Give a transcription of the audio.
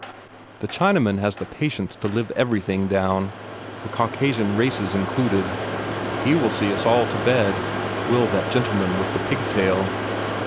The Chinaman has the patience to live everything down the Caucasian races included. He will see us all to bed, will that gentleman with the pigtail!"